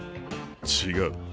違う。